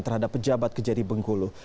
terhadap pejabat kejaksaan tinggi bengkulu